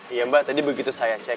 iya mbak tadi begitu saya cek